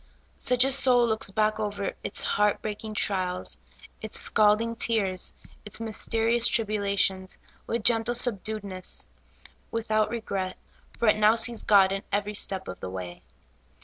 Such a soul looks back over its heart breaking trials, its scalding tears, its mysterious tribulations, with gentle subdued ness, without regret, for it now sees God in every step of the way.